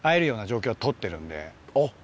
あっ。